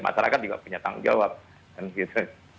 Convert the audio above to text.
masyarakat juga punya tanggung jawab